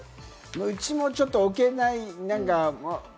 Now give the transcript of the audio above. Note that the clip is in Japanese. うちもちょっと置けない。